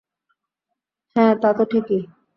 হ্যাঁ, তা তো ঠিকই।